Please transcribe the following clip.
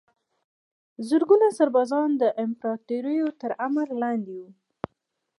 زرګونه سربازان د امپراتوریو تر امر لاندې وو.